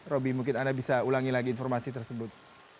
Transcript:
robby mungkin anda bisa ulangi lagi informasi tersebut